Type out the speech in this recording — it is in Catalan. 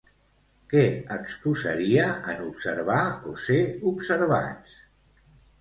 Què exposaria en Observar o ser observats?